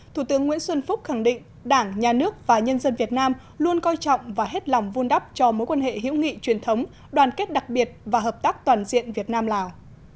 thủ tướng nguyễn xuân phúc khẳng định đảng nhà nước và nhân dân việt nam luôn coi trọng và hết lòng vun đắp cho mối quan hệ hữu nghị truyền thống đoàn kết đặc biệt và hợp tác toàn diện việt nam lào